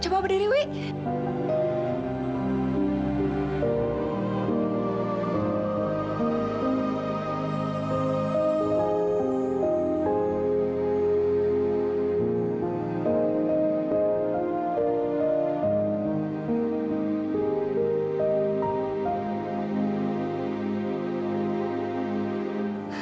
coba berdiri wih